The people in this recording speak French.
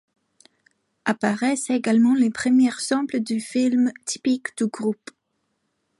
Apparaissent également les premiers samples de films typiques du groupe.